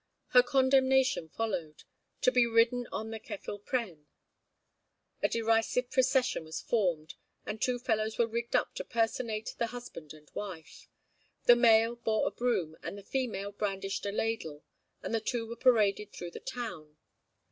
Her condemnation followed; to be ridden on the Ceffyl Pren. A derisive procession was formed, and two fellows were rigged up to personate the husband and wife. The male bore a broom, and the female brandished a ladle, and the two were paraded through the town.